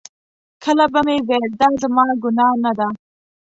کله به مې ویل دا زما ګناه نه ده.